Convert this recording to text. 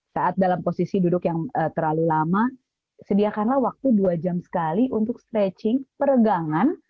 saat dalam posisi duduk yang terlalu lama sediakanlah waktu dua jam sekali untuk stretching peregangan